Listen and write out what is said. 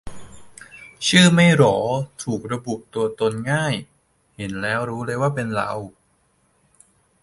ชื่อไม่โหล ถูกระบุตัวตนง่าย เห็นแล้วรู้เลยว่าเป็นเรา